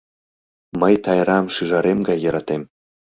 Мый Тайрам шӱжарем гай йӧратем.